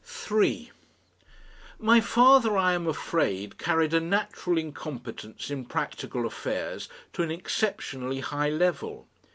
3 My father, I am afraid, carried a natural incompetence in practical affairs to an exceptionally high level.